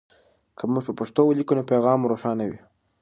که موږ په پښتو ولیکو نو پیغام مو روښانه وي.